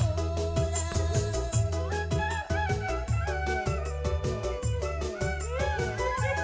kau berikan lain orang